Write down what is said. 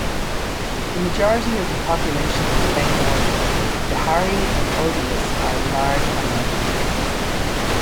The majority of the population is Bengali; Bihari and Odias are large minorities.